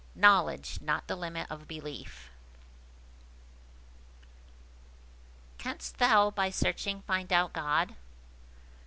KNOWLEDGE NOT THE LIMIT OF BELIEF "Canst thou by searching find out God?"